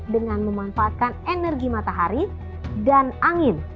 dengan memanfaatkan energi matahari dan angin